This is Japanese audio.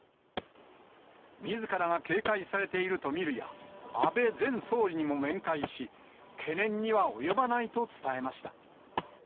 みずからが警戒されていると見るや、安倍前総理にも面会し、懸念には及ばないと伝えました。